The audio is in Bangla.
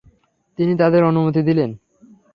তিনি তাঁদের অনুমতি দিলেন।